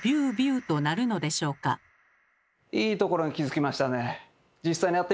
いいところに気付きましたね。